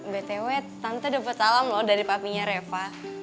btw tante dapet alam loh dari papinya reva